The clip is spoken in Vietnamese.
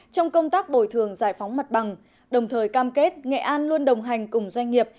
trong công tác bồi thường giải phóng mặt bằng đồng thời cam kết nghệ an luôn đồng hành cùng doanh nghiệp